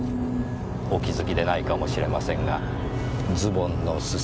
お気付きでないかもしれませんがズボンの裾。